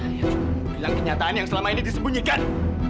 saya cuma mau bilang kenyataan yang selama ini disembunyikan